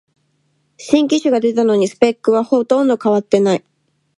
新機種が出たのにスペックはほとんど変わってない